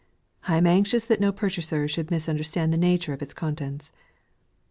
I am anxious that no pur chaser should misunderstand the nature of its contents.